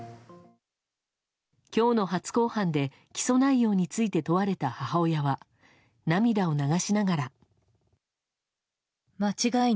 今日の初公判で起訴内容について問われた母親は涙を流しながら。